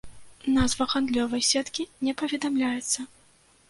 Назва гандлёвай сеткі не паведамляецца.